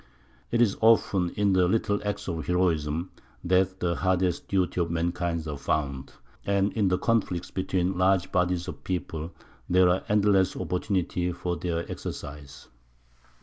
It is often in the little acts of heroism that the hardest duties of mankind are found; and in the conflicts between large bodies of people there are endless opportunities for their exercise.